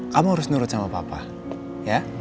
kamu harus nurut sama papa ya